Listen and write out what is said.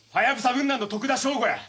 分団の徳田省吾や。